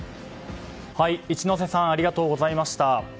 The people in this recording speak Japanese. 一之瀬さんありがとうございました。